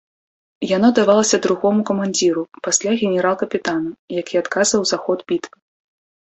Яно давалася другому камандзіру пасля генерал-капітана, які адказваў за ход бітвы.